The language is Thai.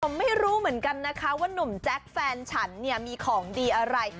ผมไม่รู้เหมือนกันนะคะว่านุ่มแจ๊คแฟนฉันเนี่ยมีของดีอะไร